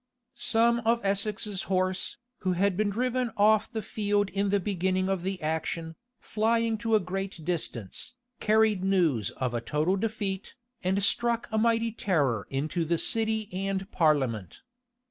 [*] Some of Essex's horse, who had been driven off the field in the beginning of the action, flying to a great distance, carried news of a total defeat, and struck a mighty terror into the city and parliament.